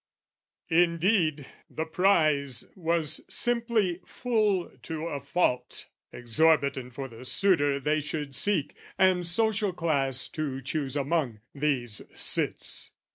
Indeed the prize was simply full to a fault; Exorbitant for the suitor they should seek, And social class to choose among, these cits.